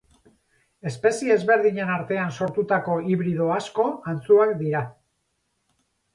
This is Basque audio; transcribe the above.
Espezie ezberdinen artean sortutako hibrido asko antzuak dira.